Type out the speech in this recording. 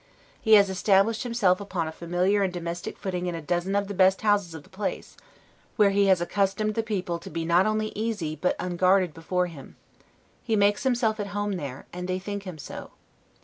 He has established himself upon a familiar and domestic footing in a dozen of the best houses of the place, where he has accustomed the people to be not only easy, but unguarded, before him; he makes himself at home there, and they think him so.